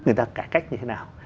người ta cải cách như thế nào